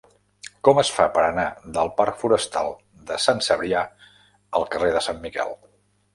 Com es fa per anar del parc Forestal de Sant Cebrià al carrer de Sant Miquel?